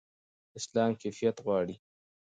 اسلام کیفیت غواړي.